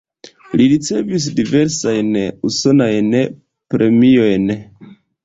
Li ricevis diversajn usonajn premiojn.